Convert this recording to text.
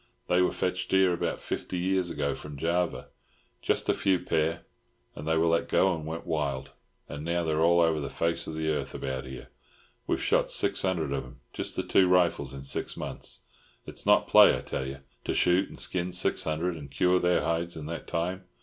"They were fetched here about fifty years ago from Java—just a few pair, and they were let go and went wild, and now they're all over the face of the earth about here. We've shot six hundred of 'em—just the two rifles—in six months. It's not play, I tell you, to shoot and skin six hundred and cure their hides in that time.